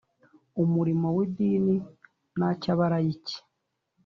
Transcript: Umurimo w idini na cy abalayiki